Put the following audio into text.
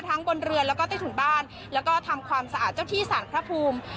บนเรือแล้วก็ใต้ถุนบ้านแล้วก็ทำความสะอาดเจ้าที่สารพระภูมิ